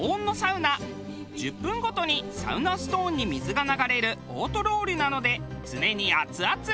１０分ごとにサウナストーンに水が流れるオートロウリュなので常にアツアツ。